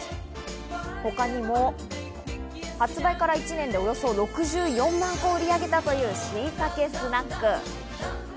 他にも発売から１年でおよそ６４万個を売り上げたという、しいたけスナック。